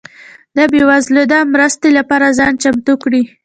ده بيوزلو ده مرستي لپاره ځان چمتو کړئ